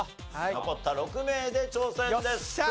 残った６名で挑戦です。